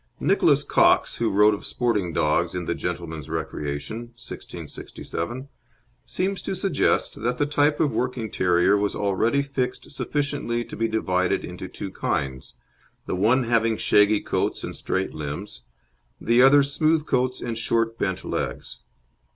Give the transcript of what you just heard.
Nicholas Cox, who wrote of sporting dogs in The Gentleman's Recreation (1667), seems to suggest that the type of working terrier was already fixed sufficiently to be divided into two kinds, the one having shaggy coats and straight limbs, the other smooth coats and short bent legs.